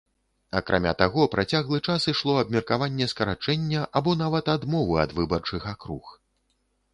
Акрамя таго, працяглы час ішло абмеркаванне скарачэння або нават адмовы ад выбарчых акруг.